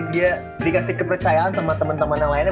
dia dikasih kepercayaan sama temen temen yang lainnya